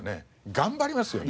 頑張りますよね。